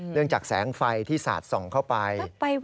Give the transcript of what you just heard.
จากแสงไฟที่สาดส่องเข้าไป